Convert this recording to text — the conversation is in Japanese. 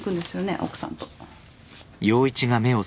奥さんと。